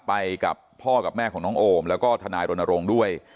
ไปกับพ่อกับแม่ของน้องโอมแล้วก็ทนายรณรงค์ด้วย